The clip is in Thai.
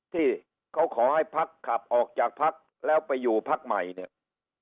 ที่เขาขอให้พักขับออกจากพักแล้วไปอยู่พักใหม่เนี่ย